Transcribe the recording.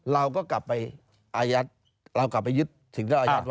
เราก็กลับไปอายัดเรากลับไปยึดสิ่งที่เราอายัด